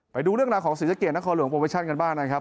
ไปดูเรื่องราวของศรีสะเกดนครหลวงโปรโมชั่นกันบ้างนะครับ